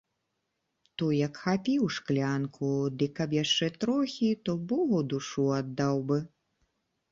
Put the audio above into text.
Той як хапіў шклянку, дык каб яшчэ трохі, то богу душу аддаў бы.